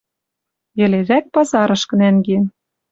Йӹлерӓк пазарышкы нӓнген.